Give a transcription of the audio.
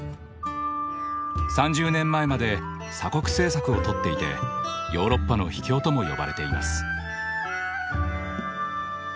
３０年前まで鎖国政策をとっていてヨーロッパの秘境とも呼ばれています。